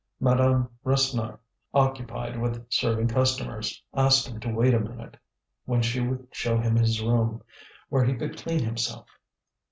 Madame Rasseneur, occupied with serving customers, asked him to wait a minute, when she would show him his room, where he could clean himself.